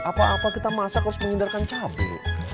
apa apa kita masak harus menghindarkan cabai